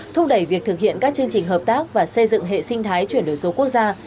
thúc đẩy việc thực hiện các chương trình hợp tác và xây dựng hệ sinh thái chuyển đổi số quốc gia